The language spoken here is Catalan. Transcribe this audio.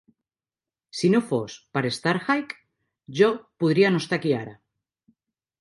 Si no for per Starhyke, jo podria no estar aquí ara.